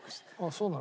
そうなの？